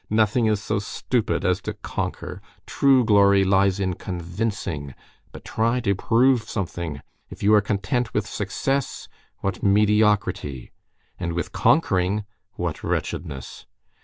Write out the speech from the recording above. Nothing is so stupid as to conquer; true glory lies in convincing. But try to prove something! If you are content with success, what mediocrity, and with conquering, what wretchedness!